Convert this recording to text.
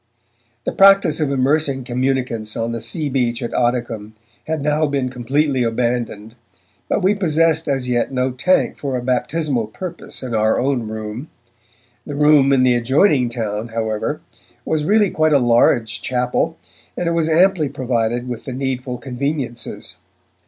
The practice of immersing communicants on the sea beach at Oddicombe had now been completely abandoned, but we possessed as yet no tank for a baptismal purpose in our own Room. The Room in the adjoining town, however, was really quite a large chapel, and it was amply provided with the needful conveniences.